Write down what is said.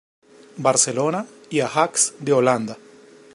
Barcelona y Ajax de Holanda.